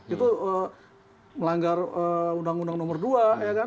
itu melanggar undang undang nomor dua